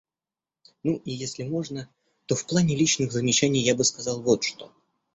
Ну и если можно, то в плане личных замечаний я бы сказал вот что.